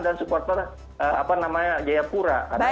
dan supporter jayapura